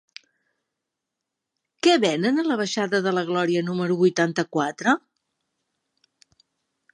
Què venen a la baixada de la Glòria número vuitanta-quatre?